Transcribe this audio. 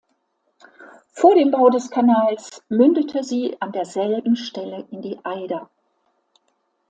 Vor dem Bau des Kanals mündete sie an derselben Stelle in die Eider.